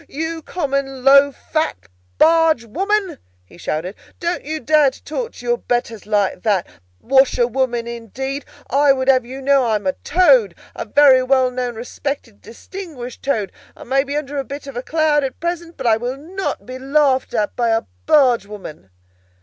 "You common, low, fat barge woman!" he shouted; "don't you dare to talk to your betters like that! Washerwoman indeed! I would have you to know that I am a Toad, a very well known, respected, distinguished Toad! I may be under a bit of a cloud at present, but I will not be laughed at by a bargewoman!"